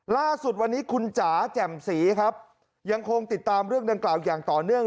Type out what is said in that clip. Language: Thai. ล่าสุดวันนี้คุณจ๋าแจ่มศรีครับยังคงติดตามเรื่องดังกล่าวอย่างต่อเนื่อง